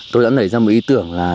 tôi đã nảy ra một ý tưởng là